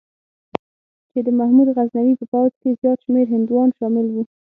چې د محمود غزنوي په پوځ کې زیات شمېر هندوان شامل وو.